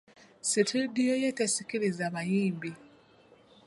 Situdiyo ye tesikiriza bayimbi.